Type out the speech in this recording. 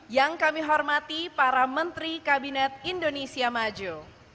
yang kami hormati para menteri kabinet indonesia maju